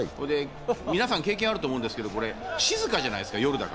皆さん経験あると思うんですけど夜だから静かじゃないですか。